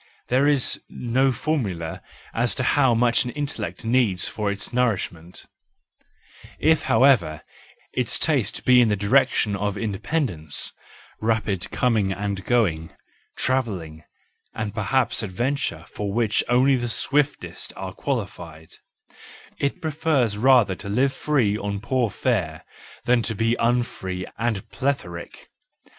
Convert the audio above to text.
There is no formula WE FEARLESS ONES 35 1 as to how much an intellect needs for its nourish¬ ment ; if, however, its taste be in the direction of independence, rapid coming and going, travelling, and perhaps adventure for which only the swiftest are qualified, it prefers rather to live free on poor fare, than to be unfree and plethoric.